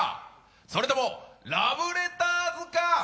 それとも、ラブレターズか！